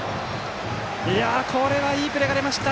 これはいいプレーが出ました！